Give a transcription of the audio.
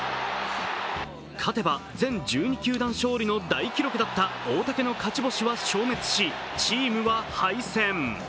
勝てば全１２球団勝利の大記録だった大竹の勝ち星は消滅し、チームは敗戦。